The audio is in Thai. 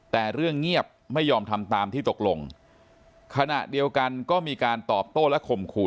แต่เรื่องเงียบไม่ยอมทำตามที่ตกลงขณะเดียวกันก็มีการตอบโต้และข่มขู่